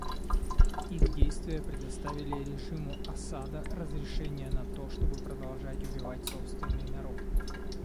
Их действия предоставили режиму Асада разрешение на то, чтобы продолжать убивать собственный народ.